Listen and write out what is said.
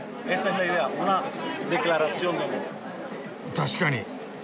確かに！